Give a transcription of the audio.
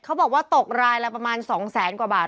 เขาบอกว่าตกรายละประมาณ๒แสนกว่าบาท